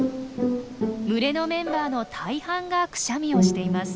群れのメンバーの大半がクシャミをしています。